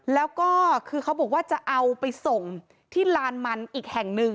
แล้วก็คือเขาบอกว่าจะเอาไปส่งที่ลานมันอีกแห่งหนึ่ง